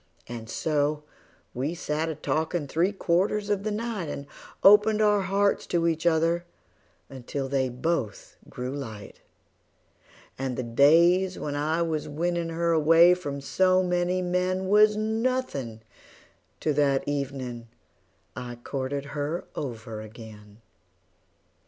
And so we sat a talkin' three quarters of the night, And opened our hearts to each other until they both grew light; And the days when I was winnin' her away from so many men Was nothin' to that evenin' I courted her over again.